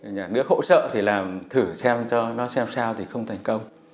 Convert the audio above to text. nếu khổ sợ thì làm thử xem cho nó xem sao thì không thành công